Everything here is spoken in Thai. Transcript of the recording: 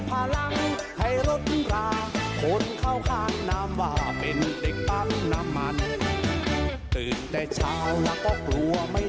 โปรดติดตามตอนต่อไป